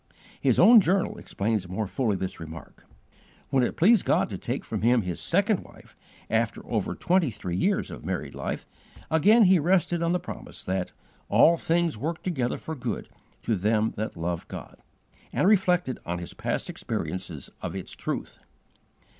His own journal explains more fully this remark. When it pleased God to take from him his second wife, after over twenty three years of married life, again he rested on the promise that "All things work together for good to them that love God" and reflected on his past experiences of its truth.